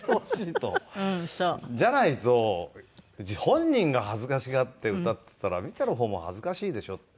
「じゃないと本人が恥ずかしがって歌ってたら見てる方も恥ずかしいでしょ」。